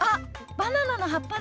バナナの葉っぱだ！